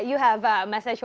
jadi mengambil resiko ya